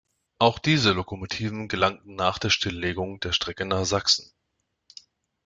Auch diese Lokomotiven gelangten nach der Stilllegung der Strecke nach Sachsen.